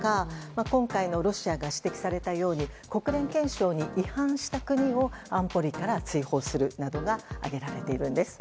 今回のロシアが指摘されたように国連憲章に違反した国を安保理から追放するなどが挙げられているんです。